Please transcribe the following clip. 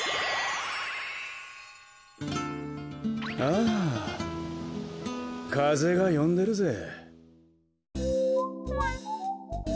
あぁかぜがよんでるぜ。